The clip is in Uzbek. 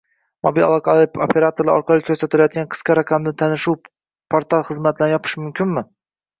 Mobil aloqa operatorlari orqali ko’rsatilayotgan qisqa raqamli tanishuv portal xizmatlarini yopish mumkinmi?